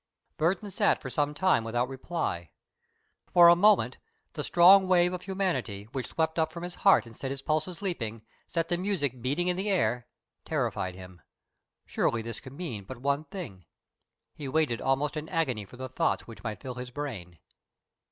Burton sat for some time without reply. For a moment the strong wave of humanity which swept up from his heart and set his pulses leaping, set the music beating in the air, terrified him. Surely this could mean but one thing! He waited almost in agony for the thoughts which might fill his brain.